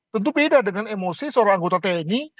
tentu beda dengan emosi seorang anggota tni